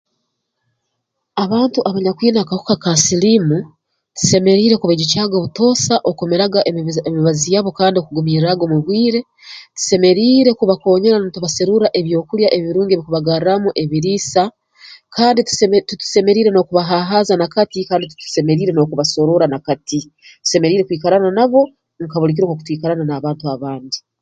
Abantu abanyakwine akahuka ka siliimu tusemeriire kubaijukyaga obutoosa okumiraga emi emibazi yabo kandi okugimirraaga omu bwire tusemeriire kubakoonyeera ntubaserurra ebyokulya ebirungi ebirukubagarraamu ebiriisa kandi tu titusemeriire n'okubahaahaaza na kati kandi titusemeriire n'okubasoroora na kati tusemeriire kwikarana nabo nka buli kiro nk'oku twikarana n'abantu abandi